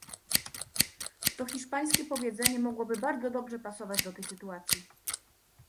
To hiszpańskie powiedzenie mogłoby bardzo dobrze pasować do tej sytuacji